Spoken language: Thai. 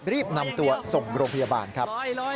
รีบนำตัวส่งโรงพยาบาลครับ